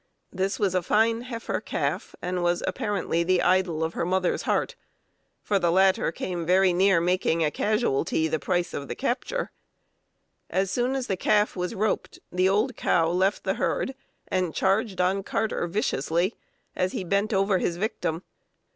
This was a fine heifer calf, and was apparently the idol of her mother's heart, for the latter came very near making a casualty the price of the capture. As soon as the calf was roped, the old cow left the herd and charged on Carter viciously, as he bent over his victim.